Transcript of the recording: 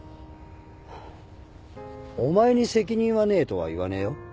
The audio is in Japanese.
お前に責任はねえとは言わねえよ。